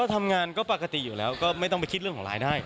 ทำงานก็ปกติอยู่แล้วก็ไม่ต้องไปคิดเรื่องของรายได้